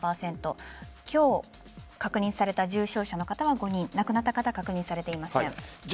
今日確認された重症者の方は５人亡くなった方は確認されていません。